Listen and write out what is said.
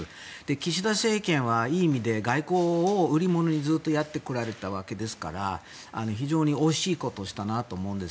岸田政権はいい意味で、外交を売り物にずっとやってこられたわけですから非常に惜しいことをしたなと思うんです。